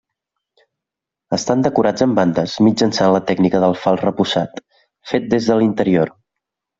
Estan decorats amb bandes mitjançant la tècnica del fals repussat, fet des de l'interior.